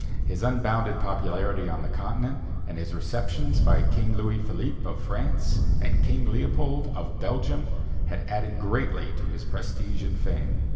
His unbounded popularity on the Continent and his receptions by King Louis Philippe, of France, and King Leopold, of Belgium, had added greatly to his prestige and fame.